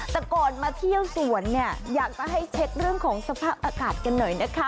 แต่ก่อนมาเที่ยวสวนเนี่ยอยากจะให้เช็คเรื่องของสภาพอากาศกันหน่อยนะคะ